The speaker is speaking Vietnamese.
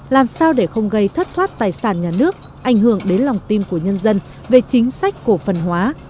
làm sao để không gây thất thoát tài sản nhà nước ảnh hưởng đến lòng tin của nhân dân về chính sách cổ phần hóa